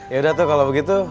yaudah tuh kalau begitu